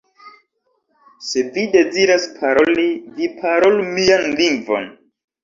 Se vi deziras paroli, vi parolu mian lingvon".